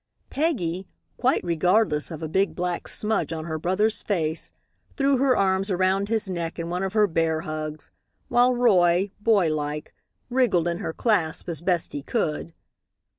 Peggy, quite regardless of a big, black smudge on her brother's face, threw her arms around his neck in one of her "bear hugs," while Roy, boy like, wriggled in her clasp as best he could.